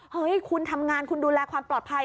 เฮ้ยคุณทำงานคุณดูแลความปลอดภัย